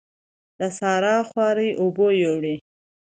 د سارا خواري اوبو يوړه.